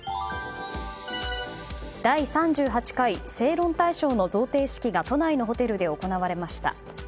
第３８回正論大賞の贈呈式が都内のホテルで行われました。